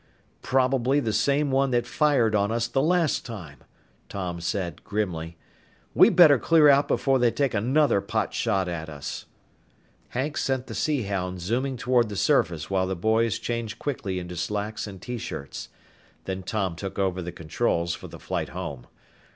"Probably the same one that fired on us the last time," Tom said grimly. "We'd better clear out before they take another pot shot at us." Hank sent the Sea Hound zooming toward the surface while the boys changed quickly into slacks and T shirts. Then Tom took over the controls for the flight home.